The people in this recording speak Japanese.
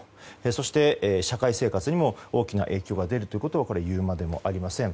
そして、社会生活にも大きな影響が出ることは言うまでもありません。